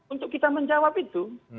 untuk kita menjawab itu